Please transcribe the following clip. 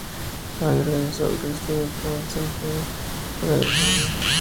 Ahí organizó el regreso de Juan de Zápolya a Transilvania.